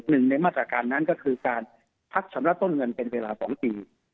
หนึ่งในมาตรการนั้นก็คือการพักชำระต้นเงินเป็นเวลา๒ปี